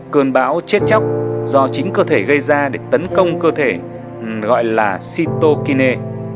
cơn bão chết chóc do chính cơ thể gây ra để tấn công cơ thể gọi là sitokinea